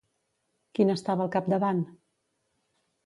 Qui n'estava al capdavant?